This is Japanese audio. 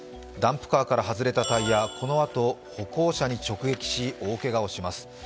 ダンプカーから外れたタイやこのあと歩行者に直撃し大けがをします。